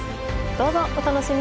どうぞお楽しみに！